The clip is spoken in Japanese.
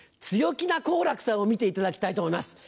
強気な好楽さんを見ていただきたいと思います。